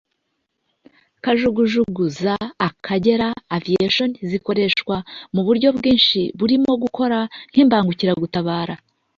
Kajugujugu za Akagera Aviation zikoreshwa mu buryo bwinshi burimo gukora nk’imbangukiragutabara